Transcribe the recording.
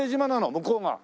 向こうが。